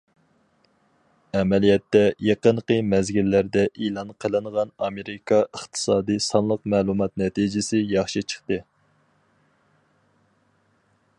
ئەمەلىيەتتە، يېقىنقى مەزگىللەردە ئېلان قىلىنغان ئامېرىكا ئىقتىسادى سانلىق مەلۇمات نەتىجىسى ياخشى چىقتى.